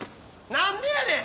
何でやねん！